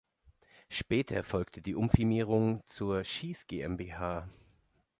Später erfolgte die Umfirmierung zur Schiess GmbH.